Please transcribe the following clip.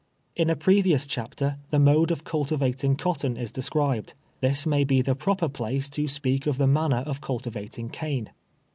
In a previous chapter the mode of cultivating cot ton is described. This may bo the proper place to Bi^eak of the manner of cultivating cane.